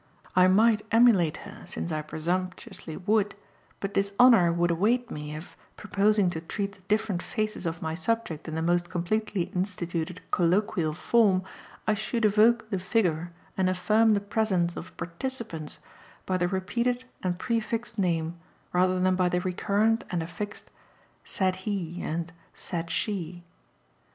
I might emulate her, since I presumptuously would, but dishonour would await me if, proposing to treat the different faces of my subject in the most completely instituted colloquial form, I should evoke the figure and affirm the presence of participants by the repeated and prefixed name rather than by the recurrent and affixed "said he" and "said she."